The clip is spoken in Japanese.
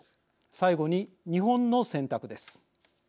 最後に日本の選択です。